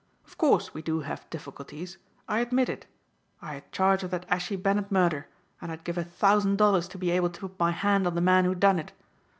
Of course we do have difficulties. I admit it. I had charge of that Ashy Bennet murder and I'd give a thousand dollars to be able to put my hand on the man who done it.